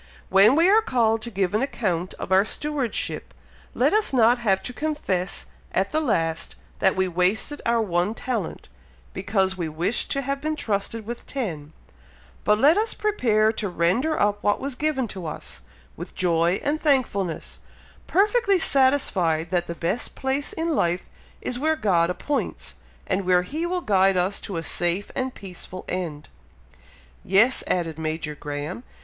When we are called to give an account of our stewardship, let us not have to confess at the last that we wasted our one talent, because we wished to have been trusted with ten; but let us prepare to render up what was given to us, with joy and thankfulness, perfectly satisfied that the best place in life is where God appoints, and where He will guide us to a safe and peaceful end." "Yes!" added Major Graham.